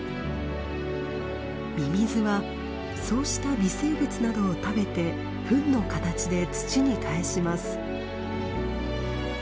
ミミズはそうした微生物などを食べてフンの形で土に返します。